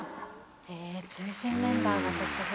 へえ中心メンバーが卒業。